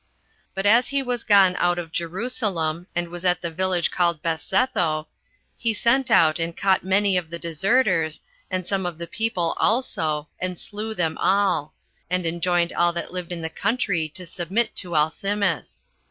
But as he was gone out of Jerusalem, and was at the village called Bethzetho, he sent out, and caught many of the deserters, and some of the people also, and slew them all; and enjoined all that lived in the country to submit to Alcimus.